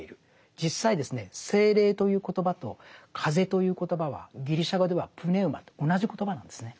実際ですね「聖霊」という言葉と「風」という言葉はギリシャ語ではプネウマと同じ言葉なんですね。